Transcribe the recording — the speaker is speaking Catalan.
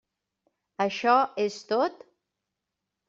Això és tot?